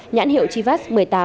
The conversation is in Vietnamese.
nhãn hiệu chivas một mươi tám